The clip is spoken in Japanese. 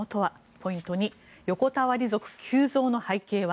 ポイント２横たわり族急増の背景は。